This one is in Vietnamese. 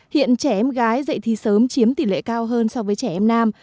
hiện trẻ em gái dạy thì sớm chiếm tỷ lệ cao hơn so với trẻ em nam